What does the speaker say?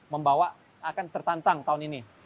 membawa akan tertantang tahun ini